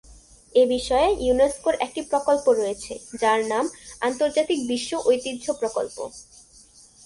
এ বিষয়ে ইউনেস্কোর একটি প্রকল্প রয়েছে যার নাম "আন্তর্জাতিক বিশ্ব ঐতিহ্য প্রকল্প"।